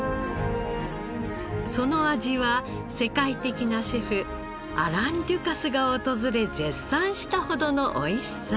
その味は世界的なシェフアラン・デュカスが訪れ絶賛したほどの美味しさ。